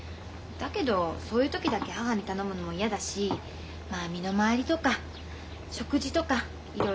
だけどそういう時だけ母に頼むのも嫌だしまあ身の回りとか食事とかいろいろ不便してるみたいです。